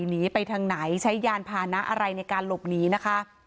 หนีไปทางไหนใช้ยานพานะอะไรในการหลบหนีนะคะ